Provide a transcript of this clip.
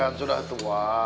saya kan sudah tua